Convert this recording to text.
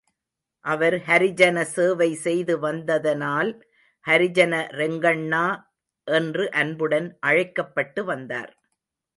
அவர் ஹரிஜன சேவை செய்து வந்ததனால் ஹரிஜன ரெங்கண்ணா என்று அன்புடன் அழைக்கப்பட்டு வந்தார்.